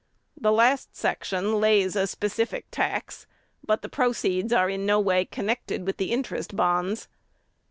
The last section lays a specific tax; but the proceeds are in no way connected with the "interest bonds."